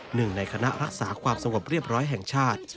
หนึ่งในคณะรักษาความสงบเรียบร้อยแห่งชาติ